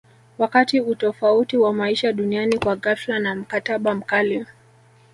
wakati utofauti wa maisha duniani kwa ghafla na mkataba mkali